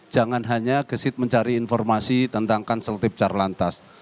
jangan hanya kesit mencari informasi tentang konsultif carlantas